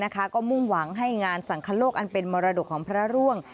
ก็มุ่งหวังให้งานสังคโลกอันเป็นมรดกของพระร่วง